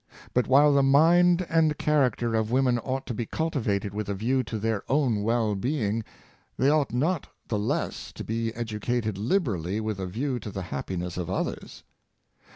But while the mind and character of women ought to be cultivated with a view to their own well being, they ought not the less to be educated liberally with a view to the happiness of others.